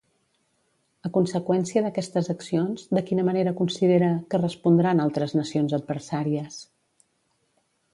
A conseqüència d'aquestes accions, de quina manera considera que respondran altres nacions adversàries?